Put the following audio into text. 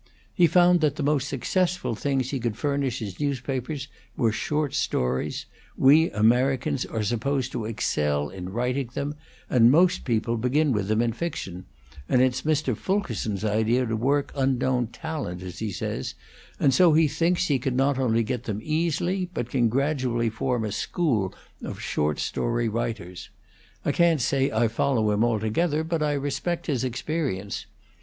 He found that the most successful things he could furnish his newspapers were short stories; we Americans are supposed to excel in writing them; and most people begin with them in fiction; and it's Mr. Fulkerson's idea to work unknown talent, as he says, and so he thinks he can not only get them easily, but can gradually form a school of short story writers. I can't say I follow him altogether, but I respect his experience.